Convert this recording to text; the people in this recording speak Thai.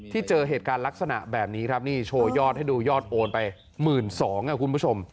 เจอเหตุการณ์ลักษณะแบบนี้ครับนี่โชว์ยอดให้ดูยอดโอนไป๑๒๐๐บาทคุณผู้ชม